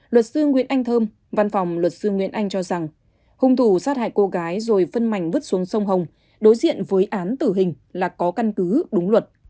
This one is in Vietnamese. luật sư nguyễn anh thơm văn phòng luật sư nguyễn anh cho rằng hung thủ sát hại cô gái rồi phân mảnh vứt xuống sông hồng đối diện với án tử hình là có căn cứ đúng luật